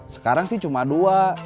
sekarang sih cuma dua